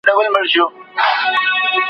رییس د استازو ترمنځ څنګه منځګړیتوب کوي؟